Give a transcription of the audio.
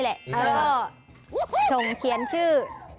แล้วก็ส่งเขียนชื่อ